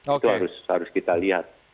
itu harus kita lihat